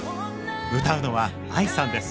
歌うのはＡＩさんです